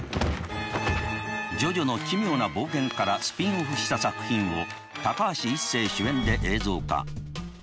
「ジョジョの奇妙な冒険」からスピンオフした作品を高橋一生主演で映像化。